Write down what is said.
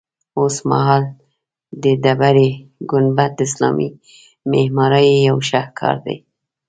اوسمهال د ډبرې ګنبد د اسلامي معمارۍ یو شهکار دی.